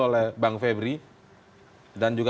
oleh bang febri dan juga